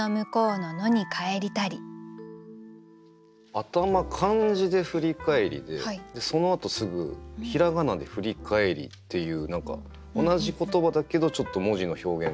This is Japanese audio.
頭漢字で「振り返り」でそのあとすぐ平仮名で「ふりかえり」っていう何か同じ言葉だけどちょっと文字の表現変えてる。